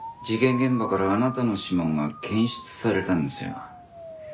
事件現場からあなたの指紋が検出されたんですよ。